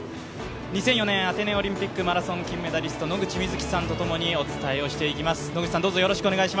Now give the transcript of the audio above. ２００４年アテネオリンピックマラソン金メダリストの野口みずきさんとお伝えしていきます。